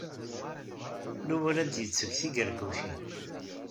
Yuba la d-yetteg tigargucin.